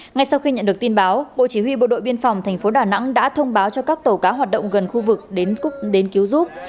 ngay sau khi nhận được tin báo bộ chỉ huy bộ đội biên phòng tp đà nẵng đã thông báo cho các tàu cá hoạt động gần khu vực đến cứu giúp